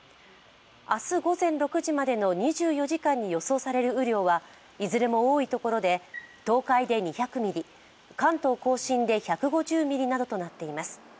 明日午前６時までの２４時間に予想される雨量はいずれも多いところで東海で２００ミリ、関東甲信で１５０ミリなどとなっています。